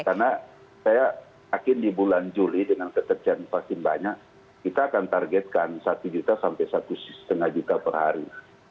karena saya yakin di bulan juli dengan kekerjaan vaksin banyak kita akan targetkan satu juta sampai satu lima juta per hari